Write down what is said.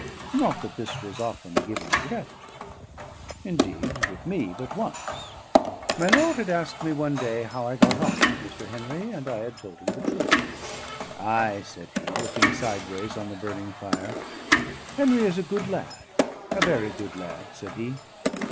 Not that this was often given breath to; indeed, with me but once. My lord had asked me one day how I got on with Mr. Henry, and I had told him the truth. "Ay," said he, looking sideways on the burning fire, "Henry is a good lad, a very good lad," said he.